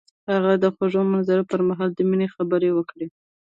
هغه د خوږ منظر پر مهال د مینې خبرې وکړې.